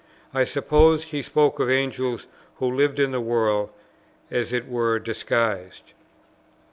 I supposed he spoke of Angels who lived in the world, as it were disguised."